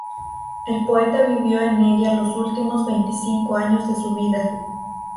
El poeta vivió en ella los últimos veinticinco años de su vida.